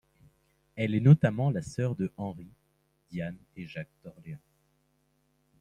Elle est notamment la sœur de Henri, Diane et Jacques d'Orléans.